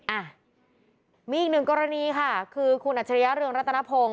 อ่ะมีอีกหนึ่งกรณีค่ะคือคุณอัจฉริยะเรืองรัตนพงศ์